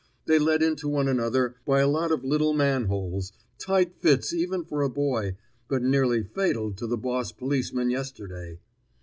They led into one another by a lot of little manholes tight fits even for a boy, but nearly fatal to the boss policeman yesterday!